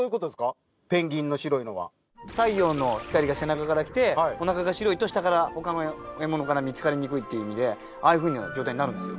太陽の光が背中から来ておなかが白いと下から他の獲物から見つかりにくいって意味でああいうふうな状態になるんです。